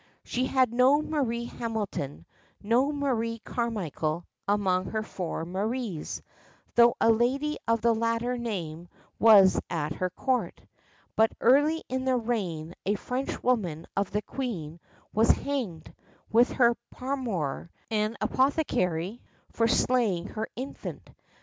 She had no Marie Hamilton, no Marie Carmichael among her four Maries, though a lady of the latter name was at her court. But early in the reign a Frenchwoman of the queen's was hanged, with her paramour, an apothecary, for slaying her infant.